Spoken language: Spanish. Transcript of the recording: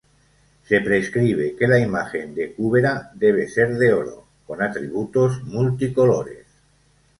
Se prescribe que la imagen de Kúbera debe ser de oro, con atributos multicolores.